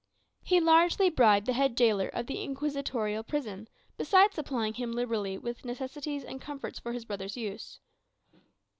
He largely bribed the head gaoler of the inquisitorial prison, besides supplying him liberally with necessaries and comforts for his brother's use.